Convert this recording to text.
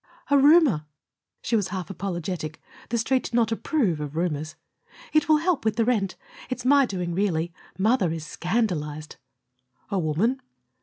"A roomer." She was half apologetic. The Street did not approve of roomers. "It will help with the rent. It's my doing, really. Mother is scandalized." "A woman?"